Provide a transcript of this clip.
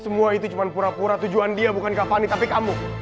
semua itu cuma pura pura tujuan dia bukan kavani tapi kamu